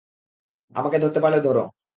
আমাকে ধরতে পারলে ধরো!